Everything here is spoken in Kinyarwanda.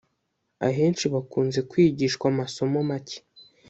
, ahenshi bakunze kwigishwa amasomo make